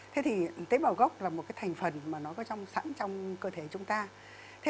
thế thì tế bào gốc là một thành phần mà nó có sẵn trong cơ thể